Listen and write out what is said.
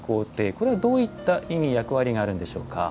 これはどういった意味、役割があるんでしょうか。